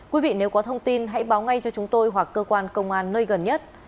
quý vị nếu có thông tin hãy báo ngay cho chúng tôi hoặc cơ quan công an nơi gần nhất